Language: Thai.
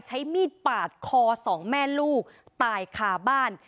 ใช้มีดปากคอ๒แม่ลูกตายขาวบ้าน